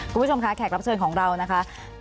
คุณผู้ชมค่ะแขกรับเชิญของเรานะคะ